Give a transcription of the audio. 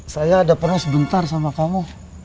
saya ada pernah sebentar sama kamu